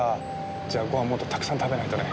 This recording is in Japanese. じゃあごはんもっとたくさん食べないとね。